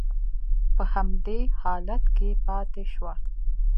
په همدې حالت کې پاتې شوه.